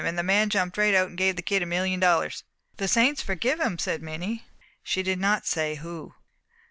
And the man jumped right out and give the kid a million dollars." "The saints forgive him!" said Minnie. She did not say who.